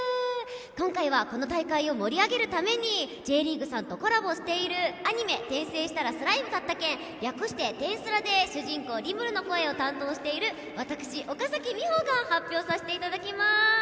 今回はこの大会を盛り上げるためにＪリーグさんとコラボしているアニメ『転生したらスライムだった件』、略して『転スラ』で主人公・リムルの声を担当している岡咲美保が発表させていただきます。